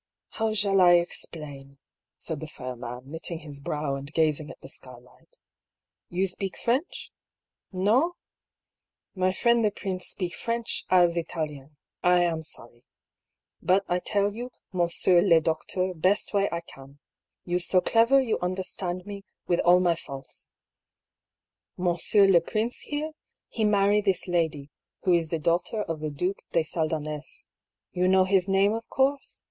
^ How shall I explain ?" said the fair man, knitting his brow and gazing at the skylight. *^You speak French? No? My friend the prince speak French as Italien. I am sorry. But I tell you, monsieur le docteur, best way I can : you so clever, you understand me with all my faults. M. le prince here, he marry this lady, who is the daughter of the Duke de Sal danh6s. You know his name, of course